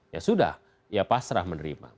ya sudah ya pasrah menerima